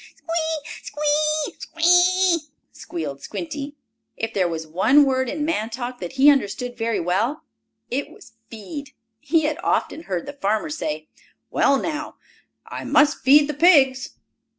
"Squee! Squee! Squee!" squealed Squinty. If there was one word in man talk that he understood very well, it was "feed." He had often heard the farmer say: "Well, now I must feed the pigs."